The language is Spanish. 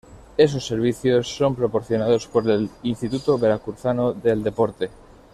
Esos servicios son proporcionados por el Instituto Veracruzano del Deporte.